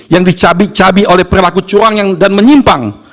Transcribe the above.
yang dicabik cabi oleh perilaku cuang dan menyimpang